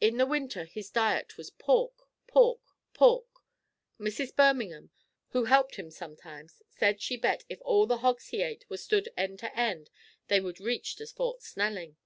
In the winter his diet was pork! pork! pork! Mrs. Birmingham, who helped him sometimes, said she bet if all the hogs he ate were stood end to end, they would reach to Fort Snelling.